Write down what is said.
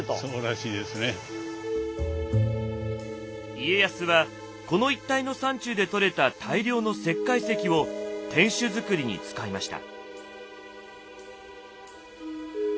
家康はこの一帯の山中で採れた大量の石灰石を天守造りに使いました。